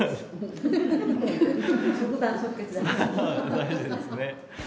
大事ですね。